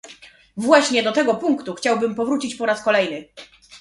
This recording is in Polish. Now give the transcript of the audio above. Właśnie do tego punktu chciałbym powrócić po raz kolejny